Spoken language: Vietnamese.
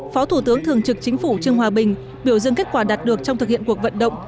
phó thủ tướng thường trực chính phủ trương hòa bình biểu dương kết quả đạt được trong thực hiện cuộc vận động